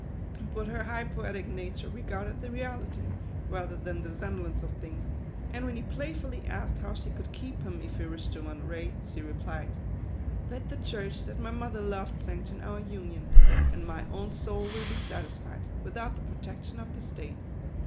But her high poetic nature regarded the reality, rather than the sem blance of things ; and when he playfully asked how she could keep him if he wished to run away, she re plied, " Let the church that my mother loved sanction our union, and my own soul will be satisfied, without the protection of the state.